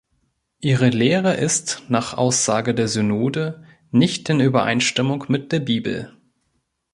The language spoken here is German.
Ihre Lehre ist, nach Aussage der Synode, nicht in Übereinstimmung mit der Bibel.